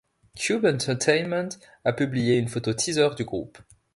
Cube Entertainment a publié une photo teaser du groupe.